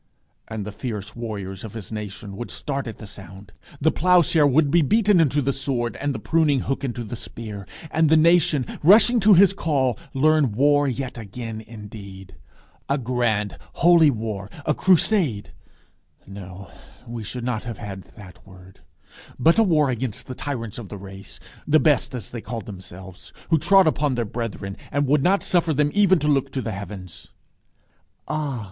And the fierce warriors of his nation would start at the sound; the ploughshare would be beaten into the sword, and the pruning hook into the spear; and the nation, rushing to his call, learn war yet again indeed, a grand, holy war a crusade no; we should not have had that word; but a war against the tyrants of the race the best, as they called themselves who trod upon their brethren, and would not suffer them even to look to the heavens. Ah!